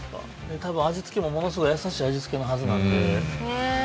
たぶん味つけもものすごい優しい味つけのはずなんで。